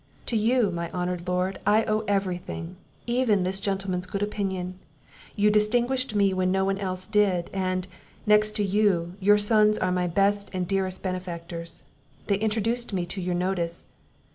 To you, my honoured Lord, I owe every thing, even this gentleman's good opinion; you distinguished me when nobody else did; and, next to you, your sons are my best and dearest benefactors; they introduced me to your notice.